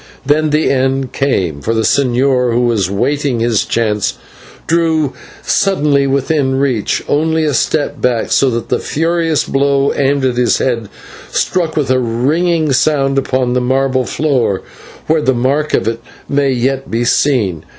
Then the end came, for the señor, who was waiting his chance, drew suddenly within reach, only to step back so that the furious blow aimed at his head struck with a ringing sound upon the marble floor, where the mark of it may yet be seen.